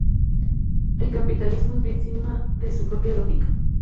El capitalismo es víctima de su propia lógica.